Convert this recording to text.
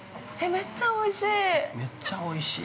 ◆めっちゃおいしい！